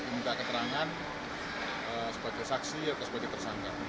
minta keterangan sebagai saksi atau sebagai tersangka